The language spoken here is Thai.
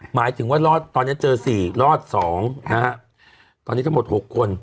หมายถึงว่ารอดตอนนี้เจอ๔รอด๒นะฮะตอนนี้ทั้งหมด๖คน